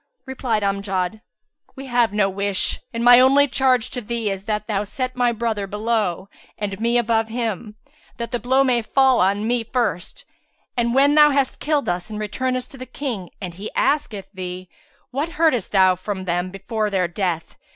Replied Amjad, "We have no wish; and my only charge to thee is that thou set my brother below and me above him, that the blow may fall on me first, and when thou hast killed us and returnest to the King and he asketh thee, 'What heardest thou from them before their death?'